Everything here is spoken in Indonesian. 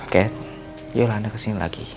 kat yuk lah anda kesini lagi